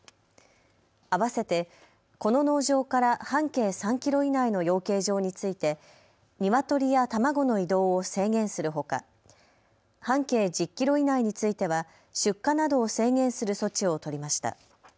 あわせてこの農場から半径３キロ以内の養鶏場についてニワトリや卵の移動を制限するほか半径１０キロ以内については出荷などを制限する措置を取りました。